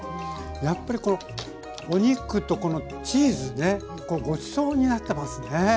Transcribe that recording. やっぱりこのお肉とこのチーズねこうごちそうになってますね。